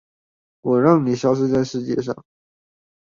我讓你消失在世界上